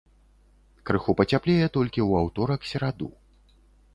Крыху пацяплее толькі ў аўторак-сераду.